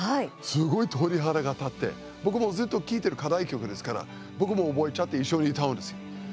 すごい鳥肌が立って僕もずっと聴いてる課題曲ですから僕も覚えちゃって一緒に歌うんですよ。